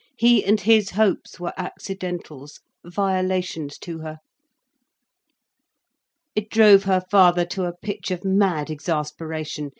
He and his hopes were accidentals, violations to her. It drove her father to a pitch of mad exasperation.